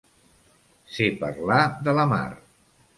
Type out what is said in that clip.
Ser parlar de la mar.